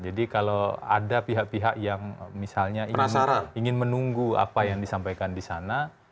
jadi kalau ada pihak pihak yang misalnya ingin menunggu apa yang disampaikan disana